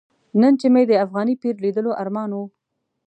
نن چې مې د افغاني پیر لیدلو ارمان و.